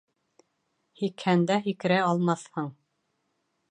Һикһәндә һикерә алмаҫһың.